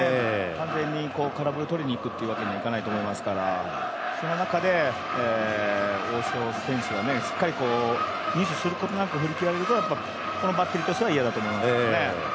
完全に空振りを取りにいくだけってわけにはいきませんからその中で大城選手はしっかりミスすることなくやっぱりこのバッテリーとしては嫌だと思いますね。